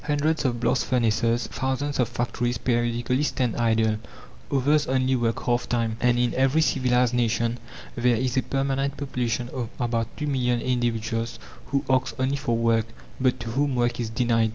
Hundreds of blast furnaces, thousands of factories periodically stand idle, others only work half time and in every civilized nation there is a permanent population of about two million individuals who ask only for work, but to whom work is denied.